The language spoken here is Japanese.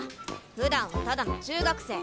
ふだんはただの中学生。